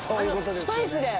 スパイスで。